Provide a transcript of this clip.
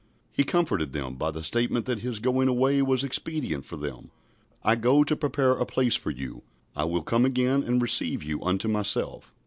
He comforted them by the statement that His going away was expedient for them. "I go to prepare a place for you." "I will come again, and receive you unto myself."